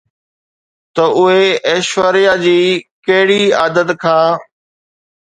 ته اهي ايشوريا جي ڪهڙي عادت کان